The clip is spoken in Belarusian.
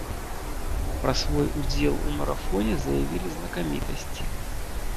Пра свой удзел у марафоне заявілі знакамітасці.